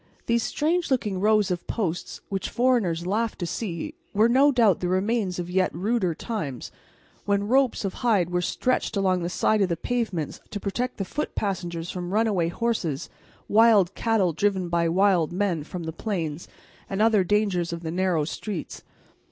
These strange looking rows of posts, which foreigners laughed to see, were no doubt the remains of yet ruder times, when ropes of hide were stretched along the side of the pavements to protect the foot passengers from runaway horses, wild cattle driven by wild men from the plains, and other dangers of the narrow streets.